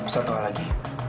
satu hal lagi